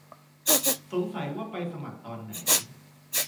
สงสัยว่าไปสมัครตอนไหน